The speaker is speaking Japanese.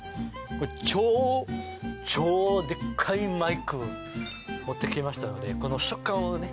これ超超でっかいマイク持ってきましたのでこの食感をね